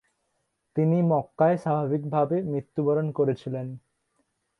তিনি মক্কায় স্বাভাবিকভাবে মৃত্যুবরণ করেছিলেন।